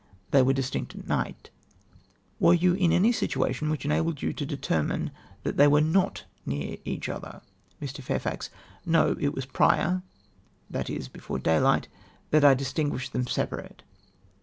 —" They were distinct at night /" "Were you in any situation which enabled you to deter mine that they were not near each other ?" Mr. Fairfax. — "No; it was prior [I.e. before daylight) that I distinguished them separate."